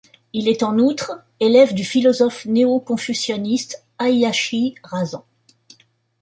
Il est en outre élève du philosophe néo confucianiste Hayashi Razan.